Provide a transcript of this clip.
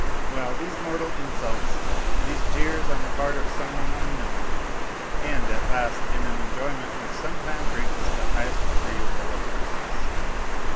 Well, these mortal insults, these jeers on the part of some one unknown, end at last in an enjoyment which sometimes reaches the highest degree of voluptuousness.